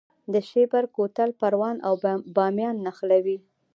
د شیبر کوتل پروان او بامیان نښلوي